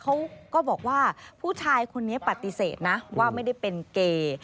เขาก็บอกว่าผู้ชายคนนี้ปฏิเสธนะว่าไม่ได้เป็นเกย์